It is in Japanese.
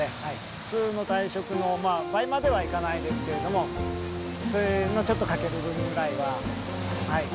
普通の退職の倍まではいかないですけれども、それのちょっと欠ける分ぐらいには。